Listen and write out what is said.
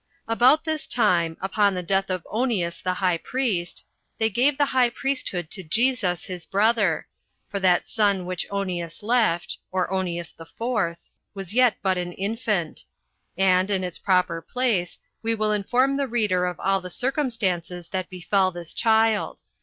1. About this time, upon the death of Onias the high priest, they gave the high priesthood to Jesus his brother; for that son which Onias left [or Onias IV.] was yet but an infant; and, in its proper place, we will inform the reader of all the circumstances that befell this child.